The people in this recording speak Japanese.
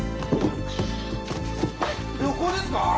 旅行ですか？